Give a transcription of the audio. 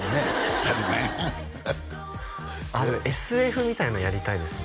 当たり前やんああでもＳＦみたいなのやりたいですね